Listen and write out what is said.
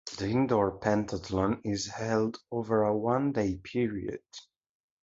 The indoor pentathlon is held over a one-day period.